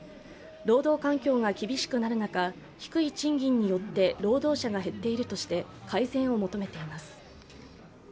労働環境が厳しくなる中低い賃金によって労働者が減っているとして改善を求めています。